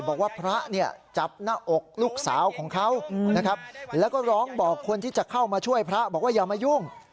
บอกว่าพระเนี่ยจับหน้าอกลูกสาวของเขานะครับแล้วก็ร้องบอกคนที่จะเข้ามาช่วยพระบอกว่าอย่ามายุ่ง